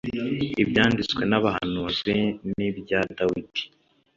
ibyanditswe n'abahanuzi n'ibya dawudi